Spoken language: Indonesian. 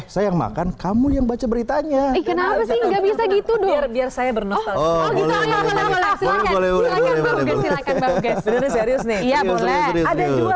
saya yang makan kamu yang baca beritanya kenapa sih nggak bisa gitu biar saya bernostal